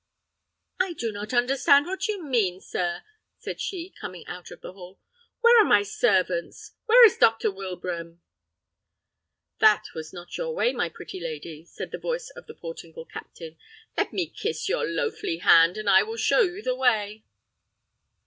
"I do not understand what you mean, sir," said she, coming out of the hall. "Where are my servants? Where is Dr. Wilbraham?" "That was not your way, my pretty lady," cried the voice of the Portingal captain. "Let me kiss your loafly hand, and I will show you the way."